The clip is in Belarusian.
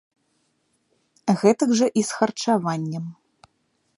Гэтак жа і з харчаваннем.